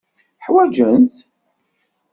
Ḥwajent-t.